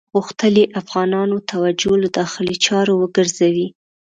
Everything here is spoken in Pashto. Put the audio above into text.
غوښتل یې افغانانو توجه له داخلي چارو وګرځوي.